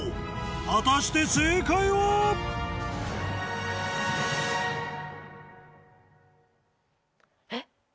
果たして正解は？え？